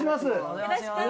お願いします。